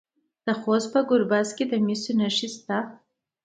د خوست په ګربز کې د مسو نښې شته.